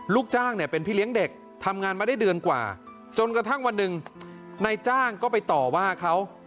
ลูกจ้างเนี่ยเป็นพี่เลี้ยงเด็กทำงานมาได้เดือนกว่าจนกระทั่งวันหนึ่งนายจ้างก็ไปต่อว่าเขา